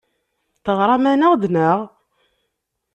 Teɣram-aneɣ-d, naɣ?